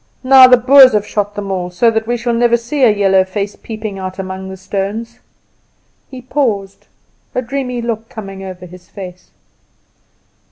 "Now the Boers have shot them all, so that we never see a little yellow face peeping out among the stones." He paused, a dreamy look coming over his face.